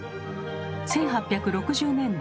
１８６０年代